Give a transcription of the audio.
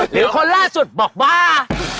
หรือคนล่าสุดบอกบ้า